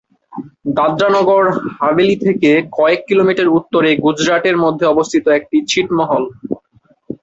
দাদরা নগর হাভেলি থেকে কয়েক কিলোমিটার উত্তরে গুজরাটের মধ্যে অবস্থিত একটি ছিটমহল।